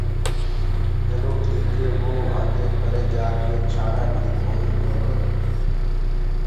چلو ٺيٚڪي وو وهآنٚدي پري جآڪي ڇآڻآڪي ڌونئيٚ اور